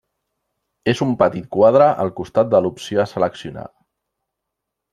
És un petit quadre al costat de l'opció a seleccionar.